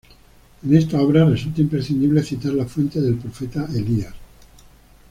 En esta obra resulta imprescindible citar la Fuente del profeta Elías.